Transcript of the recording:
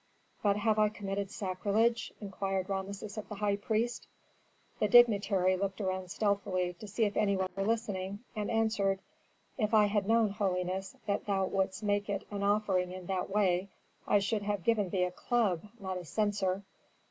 "But have I committed sacrilege?" inquired Rameses of the high priest. The dignitary looked around stealthily to see if any one were listening, and answered, "If I had known, holiness, that thou wouldst make it an offering in that way, I should have given thee a club, not a censer.